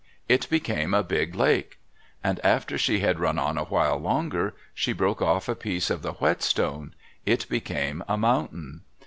It became a big lake. And after she had run on awhile longer, she broke off a piece of the whetstone. It became a mountain.